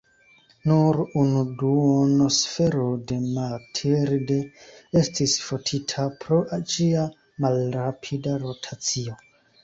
Nur unu duonsfero de "Mathilde" estis fotita pro ĝia malrapida rotacio.